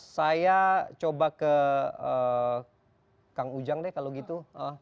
saya coba ke kang ujang deh kalau gitu